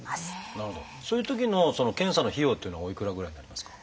そういうときの検査の費用っていうのはおいくらぐらいになりますか？